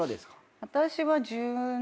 私は。